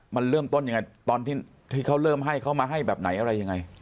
มันเริ่มต้นยังไงตอนที่เขาเริ่มให้เขามาให้แบบไหนอะไรยังไง